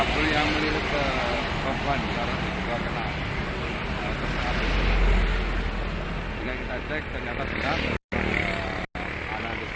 pihak warga menolak otopsi sementara kepolisian tetap melakukan penyelidikan